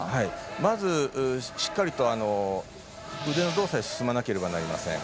まずしっかりと腕の動作で進まなければなりません。